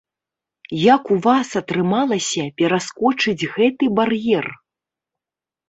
Як у вас атрымалася пераскочыць гэты бар'ер?